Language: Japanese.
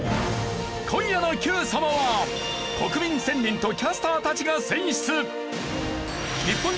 今夜の『Ｑさま！！』は国民１０００人とキャスターたちが選出。